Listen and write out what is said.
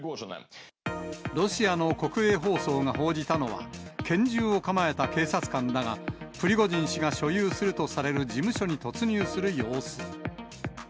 ロシアの国営放送が報じたのは、拳銃を構えた警察官らが、プリゴジン氏が所有するとされる事務所に突入する様子。